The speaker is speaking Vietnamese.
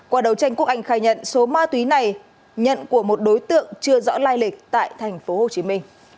qua đầu tranh quốc anh khai nhận số ma túy này nhận của một đối tượng chưa rõ lai lịch tại tp hcm